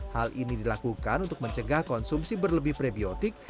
hal ini dilakukan untuk mencegah konsumsi tempe tahu dan oncom